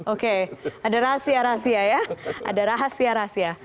oke ada rahasia rahasia ya ada rahasia rahasia